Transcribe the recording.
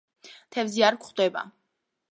თევზი არ გვხვდება.